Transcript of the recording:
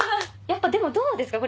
やっぱでもどうですか？